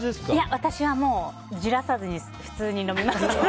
私は、じらさずに普通に飲みますけど。